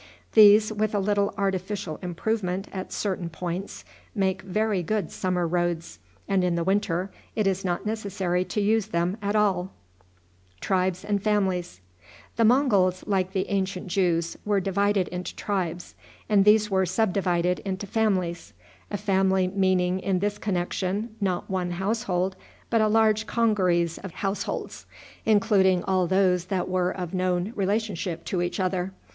These, with a little artificial improvement at certain points, make very good summer roads, and in the winter it is not necessary to use them at all. The Monguls, like the ancient Jews, were divided into tribes, and these were subdivided into families; a family meaning in this connection not one household, but a large congeries of households, including all those that were of known relationship to each other.